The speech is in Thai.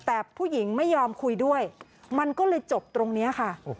แต่ผู้หญิงไม่ยอมคุยด้วยมันก็เลยจบตรงนี้ค่ะ